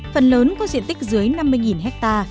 phần lớn có diện tích dưới năm mươi ha